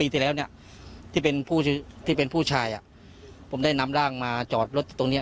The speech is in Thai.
ที่ผมไม่ได้นำร่างมาจอดรถตรงนี้